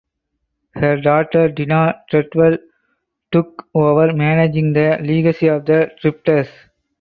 Her daughter Tina Treadwell took over managing the legacy of The Drifters.